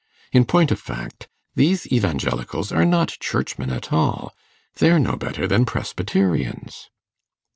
In point of fact, these Evangelicals are not Churchmen at all; they're no better than Presbyterians.